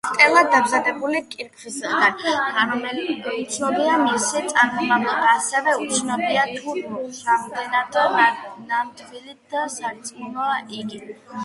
სტელა დამზადებული კირქვისგან, უცნობია მისი წარმომავლობა, ასევე უცნობია თუ რამდენად ნამდვილი და სარწმუნოა იგი.